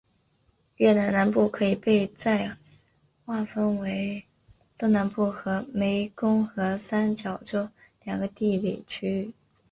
越南南部可以被再划分为东南部和湄公河三角洲两个地理区域。